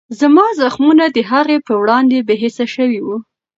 زما زخمونه د هغې په وړاندې بېحسه شوي وو.